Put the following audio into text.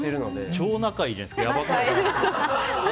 超仲いいじゃないですか。